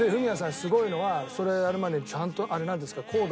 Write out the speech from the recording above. すごいのはそれやる前にちゃんとあれなんていうんですか？